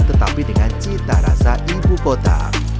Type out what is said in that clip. tetapi dengan cita rasa ibu kota